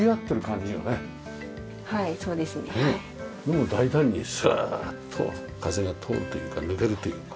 もう大胆にスーッと風が通るというか抜けるというか。